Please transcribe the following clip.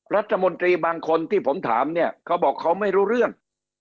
รัฐมนตรีบางคนที่ผมถามเนี่ยเขาบอกเขาไม่รู้เรื่อง